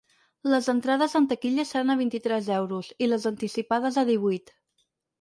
Les entrades en taquilla seran a vint-i-tres euros, i les anticipades a divuit.